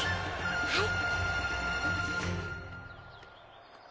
はい！